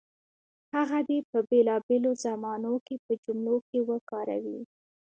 هغه دې په بېلابېلو زمانو کې په جملو کې وکاروي.